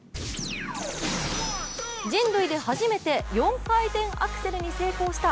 人類で初めて４回転アクセルに成功した